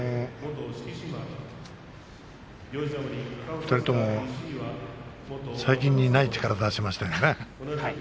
２人とも最近にない力を出していましたね。